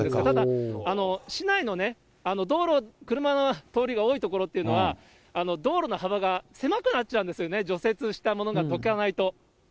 ただ、市内のね、道路、車の通りが多い所っていうのは、道路の幅が狭くなっちゃうんですよね、除雪したものがどかないと。